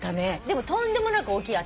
でも「とんでもなく大きい」